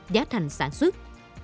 giá thành sản xuất